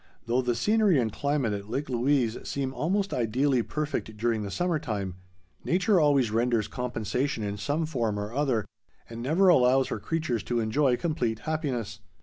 Though the scenery and climate at Lake Louise seem almost ideally perfect during the summer time, nature always renders compensation in some form or other, and never allows her creatures to enjoy complete happiness.